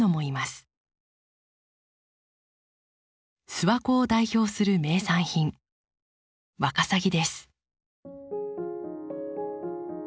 諏訪湖を代表する名産品ワカサギです。